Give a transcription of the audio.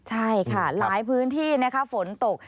ใช่ค่ะหลายพื้นที่นะคะฝนตก